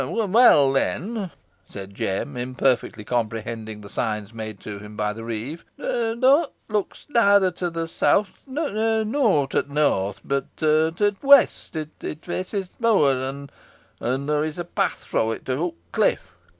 "Weel, then," said Jem, imperfectly comprehending the signs made to him by the reeve, "the hut looks nather to t' south naw to t' north, but to t' west; it feaces t' moor; an there is a path fro' it to Hook Cliff."